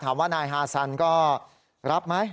ถามว่านายฮาซันก็รับไหม